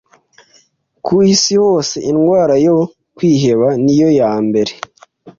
Ku isi hose, indwara yo kwiheba ni yo ya mbere